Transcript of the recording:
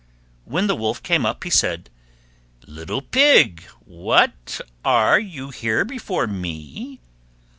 When the Wolf came up he said, "Little Pig, what! are you here before me?